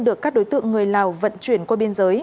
được các đối tượng người lào vận chuyển qua biên giới